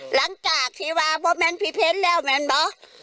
หลังจากที่ว่าว่าแมนพิเภทแล้วแมนละ